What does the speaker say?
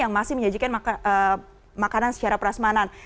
yang masih menyajikan makanan secara prasmanan